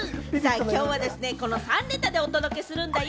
今日はこの３ネタでお届けするんだよ。